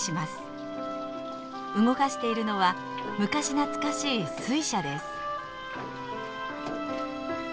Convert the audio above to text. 動かしているのは昔懐かしい水車です。